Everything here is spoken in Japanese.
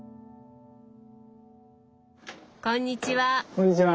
こんにちは。